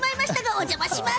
お邪魔します。